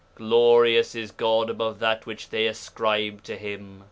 Glorious is God above that which they ascribe to Him.'